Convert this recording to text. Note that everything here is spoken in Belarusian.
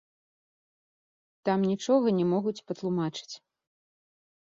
Там нічога не могуць патлумачыць.